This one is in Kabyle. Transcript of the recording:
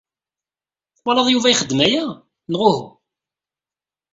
Twalaḍ Yuba ixeddem aya, neɣ uhu?